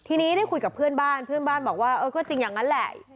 ทีนี้ได้คุยกับเพื่อนบ้านเพื่อนบ้านบอกว่าเออก็จริงอย่างนั้นแหละ